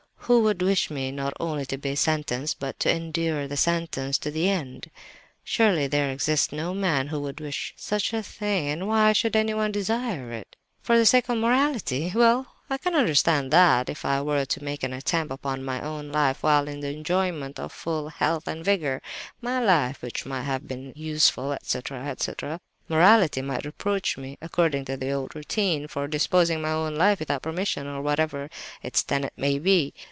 Who would wish me, not only to be sentenced, but to endure the sentence to the end? Surely there exists no man who would wish such a thing—why should anyone desire it? For the sake of morality? Well, I can understand that if I were to make an attempt upon my own life while in the enjoyment of full health and vigour—my life which might have been 'useful,' etc., etc.—morality might reproach me, according to the old routine, for disposing of my life without permission—or whatever its tenet may be.